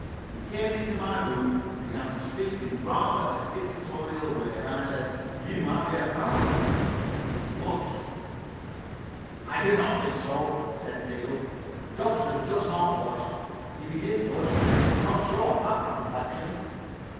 He came into my room and began to speak in rather a dictatorial way, and I said, 'You might be a partner,' and he blushed." "I do not think so," said Diggle. "Dobson does not blush. If he did blush it could not show on that complexion."